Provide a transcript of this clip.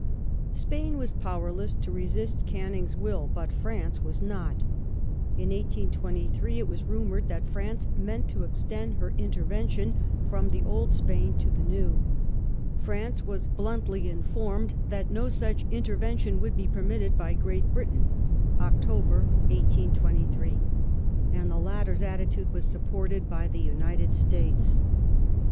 *'&pain was powerless to resist Canning's will, but France was not. In 1823 it was rumoured that France meant to extend her intervention from the Old Spain to the New. France was bluntly informed that no such intervention would be permitted by Great Britain (Oct. 1823), /.la^d. the latter's attitude was supported by the United States.